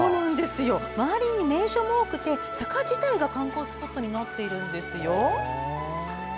周りに名所も多くて坂自体が観光スポットになっているんですよ。